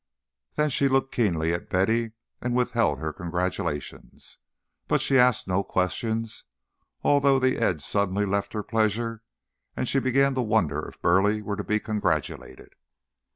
Then she looked keenly at Betty and withheld her congratulations. But she asked no questions, although the edge suddenly left her pleasure and she began to wonder if Burleigh were to be congratulated.